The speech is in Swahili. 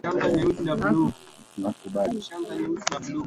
Kiamsha kinywa kimeiva